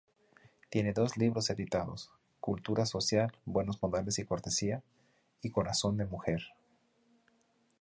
Tiene dos libros editados: "Cultura social, buenos modales y cortesía" y "Corazón de mujer".